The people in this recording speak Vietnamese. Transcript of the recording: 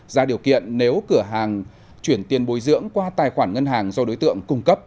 ra điều kiện nếu cửa hàng chuyển tiền bồi dưỡng qua tài khoản ngân hàng do đối tượng cung cấp